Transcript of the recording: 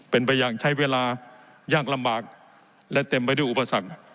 เป็นไปอย่างใช้เวลายากลำบากและเต็มไปด้วยอุปสรรค